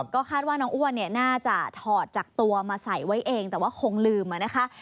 ก็คาดว่าน้องอ้วนเนี่ยน่าจะถอดจากตัวมาใส่ไว้เองแต่ว่าคงลืมนะคะ